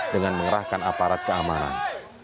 dengan mengerahkan aparat keamanan